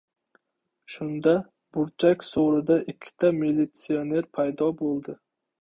Shunda, burchak so‘rida ikkita militsioner paydo bo‘ldi.